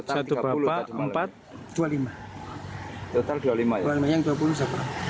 satu bapak empat dua lima